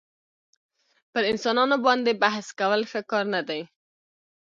پر انسانانو باندي بحث کول ښه کار نه دئ.